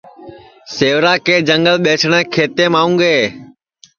سیوراکے جنگݪ ٻیسٹؔیں کھیتینٚم آؤں گے